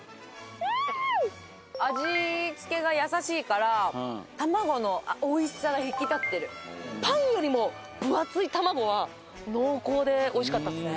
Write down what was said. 味付けが優しいから卵のおいしさが引き立ってるパンよりも分厚い卵は濃厚でおいしかったですね